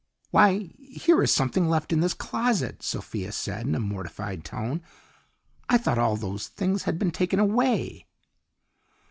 "Why, here is something left in this closet," Sophia said in a mortified tone. "I thought all those things had been taken away."